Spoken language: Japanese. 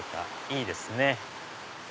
いいですね。